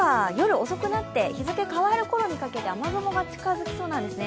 日付変わるころにかけて雨雲が近づきそうなんですね。